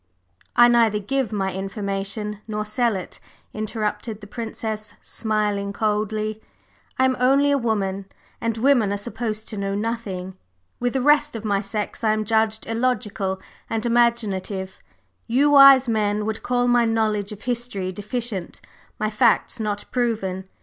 …" "I neither give my information nor sell it," interrupted the Princess, smiling coldly. "I am only a woman and women are supposed to know nothing. With the rest of my sex, I am judged illogical and imaginative; you wise men would call my knowledge of history deficient, my facts not proven.